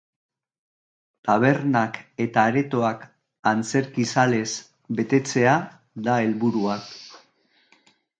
Tabernak eta aretoak antzerkizalez betetzea da helburua.